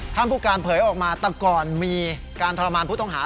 แต่ก่อนมีการทรมานผู้ต่างหา